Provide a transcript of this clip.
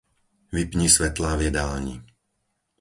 Vypni svetlá v jedálni.